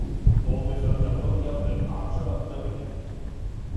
Pomes a la tardor i albercocs a la primavera.